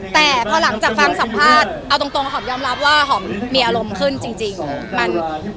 แต่พอหลังจากฟังสัมภาษณ์เอาตรงหอมยอมรับว่าหอมมีอารมณ์ขึ้นจริง